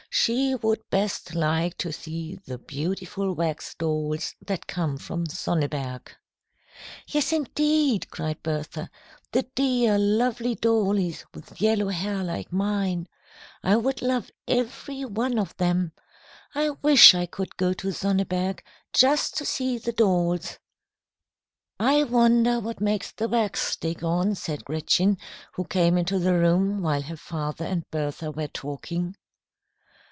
She would best like to see the beautiful wax dolls that come from Sonneberg." "Yes, indeed," cried Bertha. "The dear, lovely dollies with yellow hair like mine. I would love every one of them. I wish I could go to Sonneberg just to see the dolls." "I wonder what makes the wax stick on," said Gretchen, who came into the room while her father and Bertha were talking.